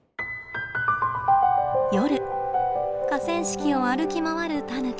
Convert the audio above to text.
夜河川敷を歩き回るタヌキ。